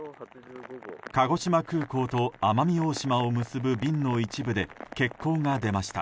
鹿児島空港と奄美大島を結ぶ便の一部で欠航が出ました。